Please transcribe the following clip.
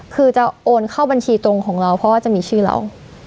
คือจะโอนเข้าบัญชีตรงของเราเพราะว่าจะมีชื่อเรา